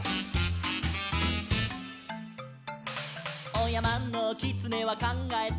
「おやまのきつねはかんがえた」